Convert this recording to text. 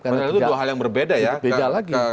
karena itu dua hal yang berbeda ya